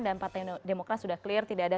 dan partai demokrat sudah clear tidak ada